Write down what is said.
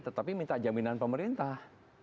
tetapi minta jaminan pemerintah